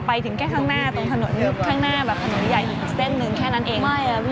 ไปถึงแค่ข้างหน้าถ้าหน้าขุมขนานใหญ่อยู่เส้นหนึ่งแค่นั้นเอง